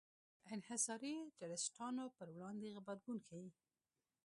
انحصاري ټرستانو پر وړاندې غبرګون ښيي.